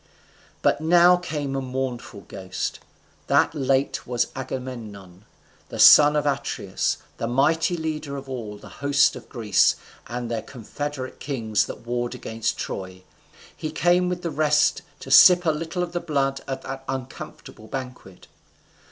But now came a mournful ghost, that late was Agamemnon, son of Atreus, the mighty leader of all the host of Greece and their confederate kings that warred against Troy. He came with the rest to sip a little of the blood at that uncomfortable banquet.